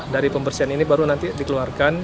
dari pembersihan ini baru nanti dikeluarkan